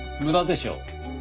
無駄でしょう。